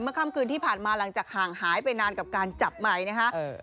ค่ำคืนที่ผ่านมาหลังจากห่างหายไปนานกับการจับไมค์นะฮะ